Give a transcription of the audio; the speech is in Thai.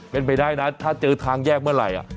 เป็นไปได้นะถ้าเจอทางแยกเมื่อไหร่